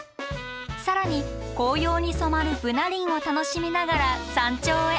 更に紅葉に染まるブナ林を楽しみながら山頂へ。